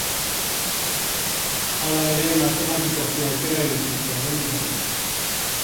Hala ere, matematikoki aukerak dituzte oraindik ere.